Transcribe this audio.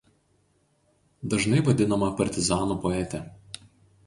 Dažnai vadinama partizanų poetė.